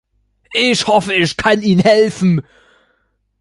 Ich hoffe, ich kann Ihnen helfen.